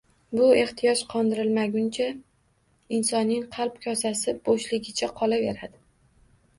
Bu ehtiyoj qondirilmagunicha insonning qalb kosasi bo`shligicha qolaveradi